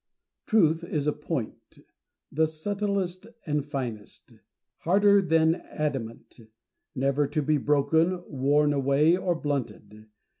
Truth is a point ; the subtilest and finest ; harder than adamant ; never to be broken, worn away, or blunted.